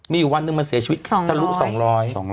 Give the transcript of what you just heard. มีอยู่วันหนึ่งมันเสียชีวิตถ้ารู้๒๐๐บาท